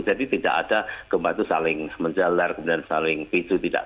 jadi tidak ada gempa itu saling menjalar kemudian saling memicu tidak